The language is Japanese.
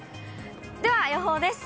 では予報です。